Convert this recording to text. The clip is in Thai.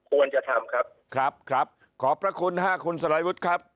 ควรจะทำครับครับขอบพระคุณฮะคุณสลาวุฒิครับ